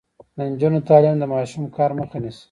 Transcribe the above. د نجونو تعلیم د ماشوم کار مخه نیسي.